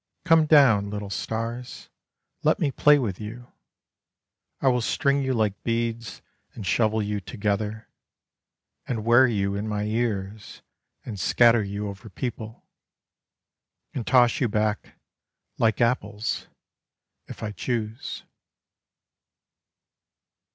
Come down, little stars, let me play with you: I will string you like beads, and shovel you together, And wear you in my ears, and scatter you over people And toss you back, like apples, if I choose.